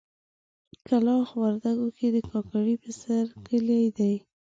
کلاخ وردګو کې د ګاګرې په سر کلی دی.